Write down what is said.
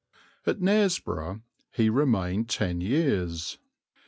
At Knaresborough he remained ten years.